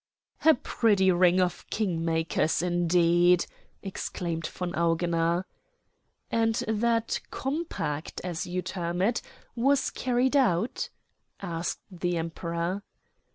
"A pretty ring of king makers, indeed!" exclaimed von Augener. "And that 'compact,' as you term it, was carried out?" asked the Emperor.